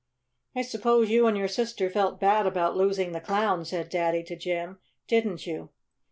"I suppose you and your sister felt bad about losing the Clown," said Daddy to Jim. "Didn't you?"